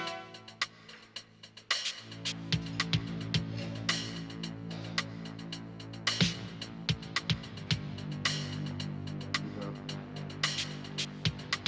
aku ingin kamu mencari dia